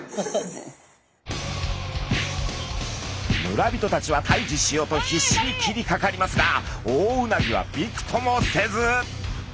村人たちは退治しようと必死に切りかかりますが大うなぎはびくともせず！